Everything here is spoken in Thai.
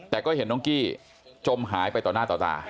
แต่ก็เห็นน้องกี้จมหายไปต่อหน้าต่อตา